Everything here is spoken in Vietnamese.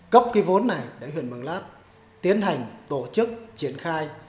cấp cái vốn này để huyện mường lát tiến hành tổ chức triển khai